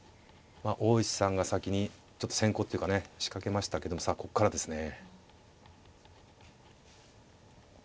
大石さんが先にちょっと先攻っていうかね仕掛けましたけどもさあここからですね。